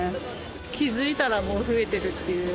気付いたらもう増えてるっていう。